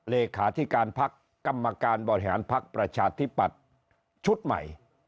เลขาธิการพักกรรมการบริหารพักประชาธิปัตย์ชุดใหม่